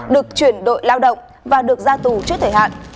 được chuyển đội lao động và được ra tù trước thời hạn